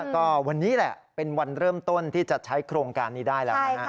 ก็วันนี้แหละเป็นวันเริ่มต้นที่จะใช้โครงการนี้ได้แล้วนะฮะ